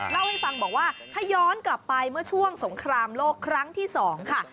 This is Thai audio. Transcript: เล่าให้ฟังบอกว่าถ้าย้อนกลับไปเมื่อช่วงสงครามโลกครั้งที่๒ค่ะ